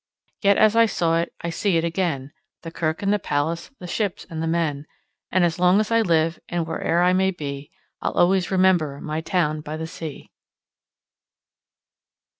Yet as I saw it, I see it again, The kirk and the palace, the ships and the men, And as long as I live and where'er I may be, I'll always remember my town by the sea.